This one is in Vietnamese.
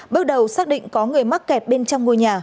bước đầu xác định có người mắc kẹt bên trong ngôi nhà